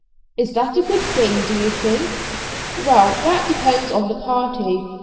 "Is that a good game, do you think?" "Well, that depends on the party.